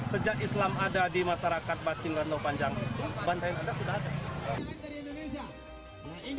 sejak islam ada di masyarakat baking rantau panjang itu bantai adat sudah ada